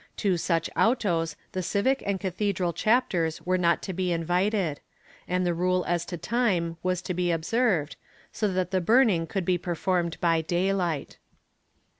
To such autos the civic and cathedral chapters were not to be invited, and the rule as to time was to be observed, so that the burning could be performed by daylight.